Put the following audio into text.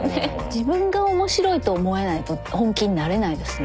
自分が面白いと思えないと本気になれないですね。